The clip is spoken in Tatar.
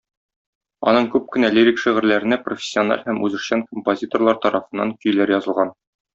Аның күп кенә лирик шигырьләренә профессиональ һәм үзешчән композиторлар тарафыннан көйләр язылган.